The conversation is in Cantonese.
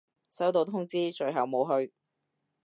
收到通知，最後冇去